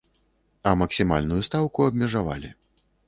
А максімальную стаўку абмежавалі.